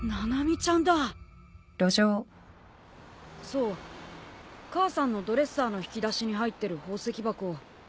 そう母さんのドレッサーの引き出しに入ってる宝石箱。